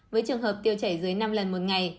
với trường hợp tiêu chảy dưới năm lần một ngày